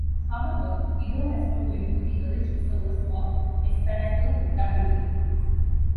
However, Ido has proven to be a rich source of Esperanto vocabulary.